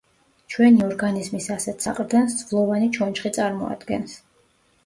ჩვენი ორგანიზმის ასეთ საყრდენს ძვლოვანი ჩონჩხი წარმოადგენს.